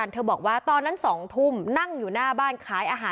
เลิกเลิกเลิกเลิกเลิกเลิกเลิก